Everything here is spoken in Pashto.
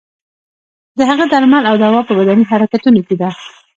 د هغه درمل او دوا په بدني حرکتونو کې ده.